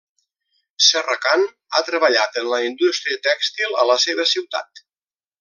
Serracant ha treballat en la indústria tèxtil a la seva ciutat.